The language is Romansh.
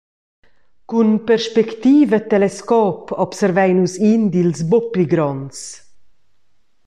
Cun perspectiv e telescop observein nus in dils bucs pli gronds.